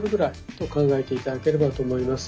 と考えていただければと思います。